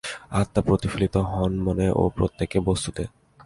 আত্মা প্রতিফলিত হন মনে ও প্রত্যেক বস্তুতে।